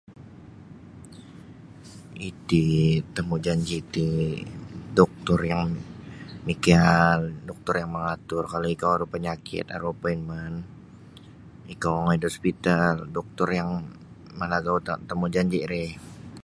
Iti temujanji ti doktor yang mikiaal doktor yang mangatur kalau ikou aru panyakit aru appointmen ikou ongoi da hospital doktor yang malagau da temujanji ri.